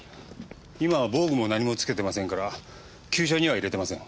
今は防具も何もつけてませんから急所には入れてません。